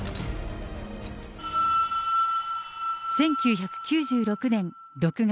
１９９６年６月。